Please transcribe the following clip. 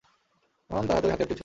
তখন তার হাতে ঐ হাতিয়ারটিও ছিল।